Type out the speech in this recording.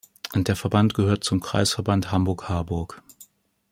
Der Verband gehört zum Kreisverband Hamburg-Harburg.